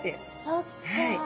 そっか。